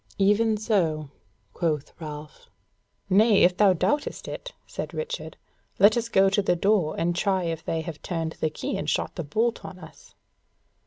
"Even so," quoth Ralph. "Nay, if thou doubtest it," said Richard, "let us go to the door and try if they have turned the key and shot the bolt on us."